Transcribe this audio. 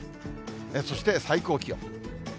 そして最高気温。